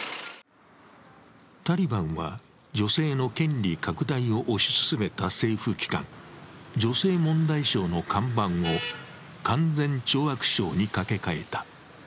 タリバンは女性の権利拡大を推し進めた政府機関、女性問題省の看板を勧善懲悪省に掛け替えた。